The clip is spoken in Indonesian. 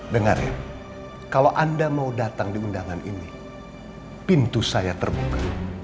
dengar ya kalau anda mau datang di undangan ini pintu saya terbuka